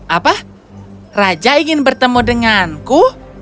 apa raja ingin bertemu denganku